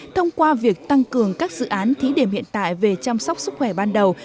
thông qua việc tăng cường các dự án thí điểm hiện tại về chăm sóc sức khỏe ban đầu